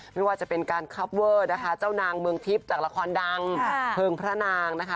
ไม่ว่าจะเป็นการคับเวอร์นะคะเจ้านางเมืองทิพย์จากละครดังเพลิงพระนางนะคะ